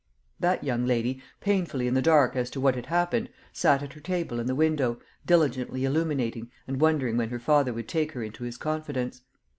That young lady, painfully in the dark as to what had happened, sat at her table in the window, diligently illuminating, and wondering when her father would take her into his confidence.